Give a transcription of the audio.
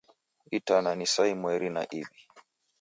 Itana ni saa imweri na iw'i.